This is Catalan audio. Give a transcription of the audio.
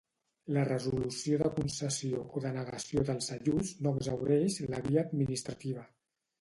La resolució de concessió o denegació dels ajuts no exhaureix la via administrativa.